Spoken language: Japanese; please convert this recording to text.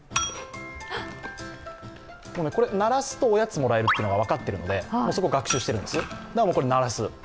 これ鳴らすとおやつもらえるというのが分かっているのでそこを学習してるんです、鳴らす。